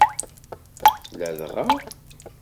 Ladɣa.